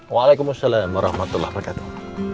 waalaikumsalam warahmatullahi wabarakatuh